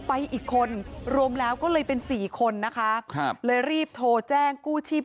อีกคนรวมแล้วก็เลยเป็นสี่คนนะคะครับเลยรีบโทรแจ้งกู้ชีพ